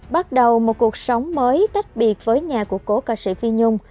bắt đầu một cuộc sống mới tách biệt với nhà của cố ca sĩ phi nhung